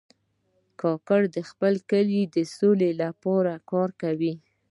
کاکړ د خپل کلي د سولې لپاره کار کوي.